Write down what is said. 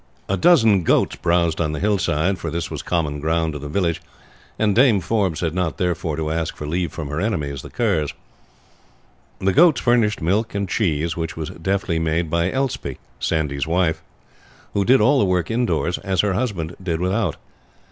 A dozen goats browsed on the hillside, for this was common ground to the village, and Dame Forbes had not therefore to ask for leave from her enemies, the Kerrs. The goats furnished milk and cheese, which was deftly made by Elspie, Sandy's wife, who did all the work indoors, as her husband did without.